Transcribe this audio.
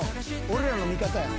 俺らの味方や。